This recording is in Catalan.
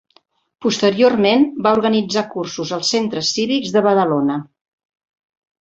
Posteriorment va organitzar cursos als centres cívics de Badalona.